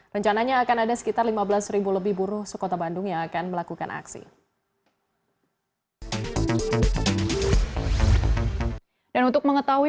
rencananya akan ada sekitar lima belas ribu lebih buruh sekota bandung yang akan melakukan aksi